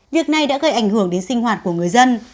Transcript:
việc này đã gây ảnh hưởng đến sinh hoạt của người dân